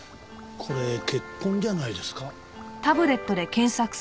これ血痕じゃないですか？